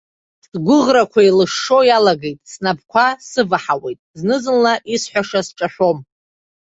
Сгәыӷрақәа еилышшо иалагеит, снапқәа сываҳауеит, зны-зынла исҳәаша сҿашәом.